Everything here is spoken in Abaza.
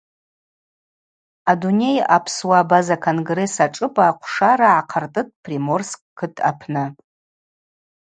Адуней апсуа-абаза конгресс ашӏыпӏа хъвшара гӏахъыртӏытӏ Приморск кыт апны.